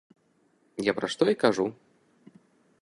Я пра што і кажу.